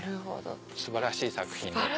素晴らしい作品だと。